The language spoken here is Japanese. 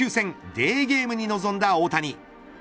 デーゲームに臨んだ大谷。